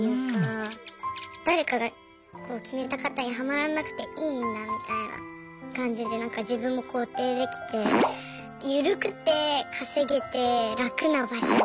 誰かが決めた型にハマらなくていいんだみたいな感じで自分も肯定できて緩くて稼げて楽な場所みたいな感じで。